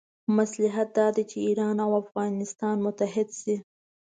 مصلحت دا دی چې ایران او افغانستان متحد شي.